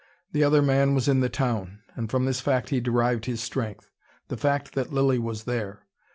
The other man was in the town, and from this fact he derived his strength: the fact that Lilly was there.